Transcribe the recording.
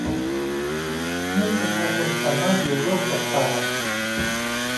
ให้ประชาชนสามารถอยู่ร่วมกับป่า